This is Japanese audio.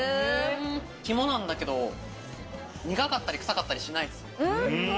肝なんだけど、苦かったり臭かったりしない。